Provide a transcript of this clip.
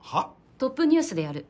トップニュースでやる。